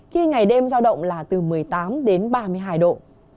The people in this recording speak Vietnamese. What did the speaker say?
khi ngày đêm giao động là từ một mươi tám đến ba mươi hai độ